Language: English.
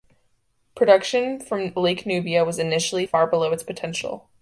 Production from Lake Nubia was initially far below its potential.